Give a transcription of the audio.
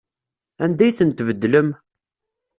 Anda ay ten-tbeddlem?